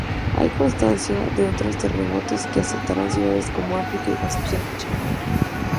Hay constancia de otros terremotos que azotaron ciudades como Arica y Concepción en Chile.